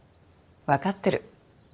分かってる。